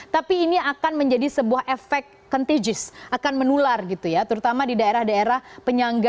tapi ini akan menjadi sebuah efek contigis akan menular gitu ya terutama di daerah daerah penyangga